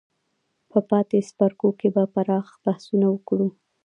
په پاتې څپرکو کې به پراخ بحثونه وکړو.